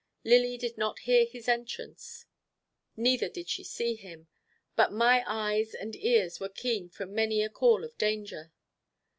Lily did not hear his entrance, neither did she see him; but my eyes and ears were keen from many a call of danger.